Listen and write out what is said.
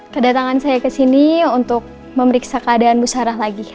kedatangan saya ke sini untuk memeriksa keadaan musarah lagi